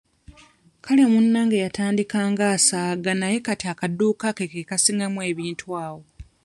Kale munnange yatandika ng'asaaga naye kati akaduuka ke ke kasingamu ebintu awo.